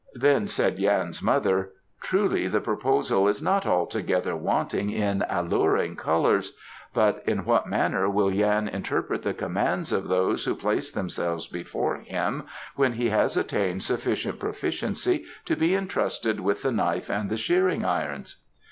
Then said Yan's mother: "Truly the proposal is not altogether wanting in alluring colours, but in what manner will Yan interpret the commands of those who place themselves before him, when he has attained sufficient proficiency to be entrusted with the knife and the shearing irons?"